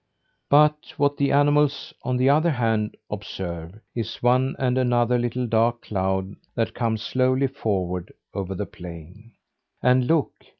But what the animals, on the other hand, observe, is one and another little dark cloud that comes slowly forward over the plain. And look!